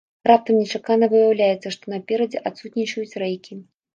Раптам нечакана выяўляецца, што наперадзе адсутнічаюць рэйкі.